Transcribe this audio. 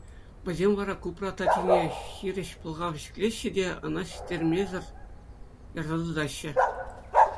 Вӗсем вара Купрат ачине хирӗҫ пӑлхав ҫӗклеҫҫӗ те ӑна систермесӗр ярса тытаҫҫӗ.